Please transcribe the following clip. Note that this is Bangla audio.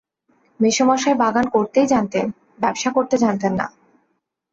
মেসোমশায় বাগান করতেই জানতেন, ব্যাবসা করতে জানতেন না।